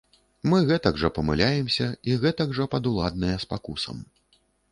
Мы гэтак жа памыляемся і гэтак жа падуладныя спакусам.